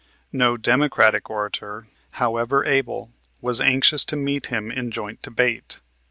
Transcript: No Democratic orator, however able, was anxious to meet him in joint debate.